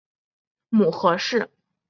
母何氏。